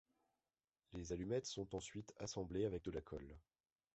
Les allumettes sont ensuite assemblées avec de la colle.